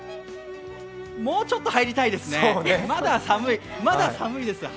もうちょっと入りたいですね、まだ寒いです。